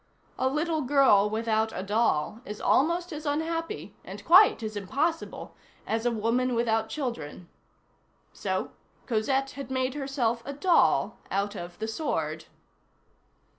A little girl without a doll is almost as unhappy, and quite as impossible, as a woman without children. So Cosette had made herself a doll out of the sword.